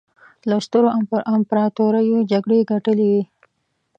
له سترو امپراطوریو یې جګړې ګټلې وې.